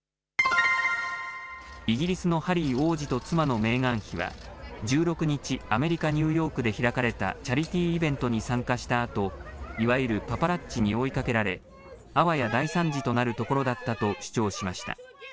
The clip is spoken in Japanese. イギリスのハリー王子と妻のメーガン妃は１６日、アメリカ・ニューヨークで開かれたチャリティーイベントに参加したあと、いわゆるパパラッチに追いかけられあわや大惨事となるところだったと主張しました。